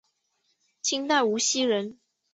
清代无锡人。